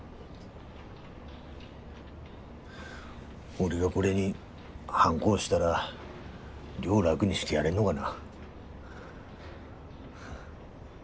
俺がこれにハンコ押したら亮楽にしてやれんのがな。